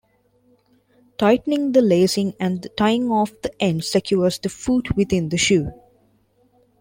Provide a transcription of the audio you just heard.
Tightening the lacing and tying off the ends secures the foot within the shoe.